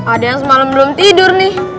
ada yang semalam belum tidur nih